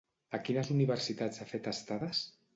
A quines universitats ha fet estades?